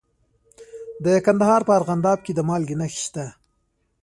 د کندهار په ارغنداب کې د مالګې نښې شته.